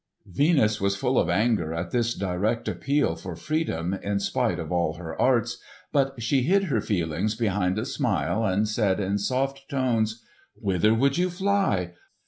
Venus was full of anger at this direct appeal for freedom, in spite of all her arts; but she hid her feelings behind a smile and said in soft tones, "Whither would you fly?